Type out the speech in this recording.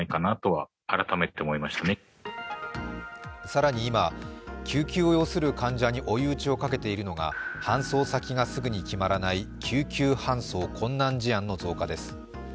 更に今、救急を要する患者に追い打ちをかけているのが搬送先がすぐに決まらない救急搬送困難事案の増加です。